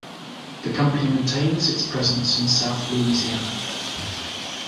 The company maintains its presence in South Louisiana.